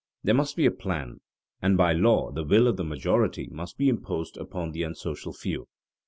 There must be a plan, and by law the will of the majority must be imposed upon the unsocial few.